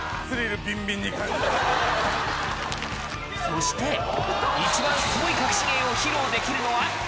そして一番すごい隠し芸を披露できるのは？